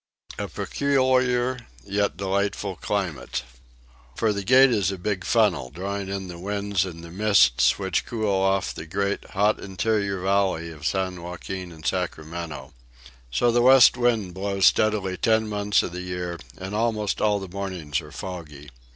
A PECULIAR YET DELIGHTFUL CLIMATE. For the Gate is a big funnel, drawing in the winds and the mists which cool off the great, hot interior valley of San Joaquin and Sacramento. So the west wind blows steadily ten months of the year and almost all the mornings are foggy.